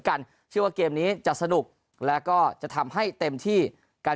กันเชื่อว่าเกมนี้จะสนุกแล้วก็จะทำให้เต็มที่การ